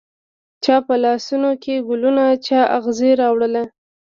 چا په لاسونوکې ګلونه، چااغزي راوړله